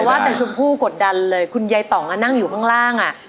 ว่าแต่ชมพู่กดดันเลยคุณยายต่องนั่งอยู่ข้างล่างอ่ะ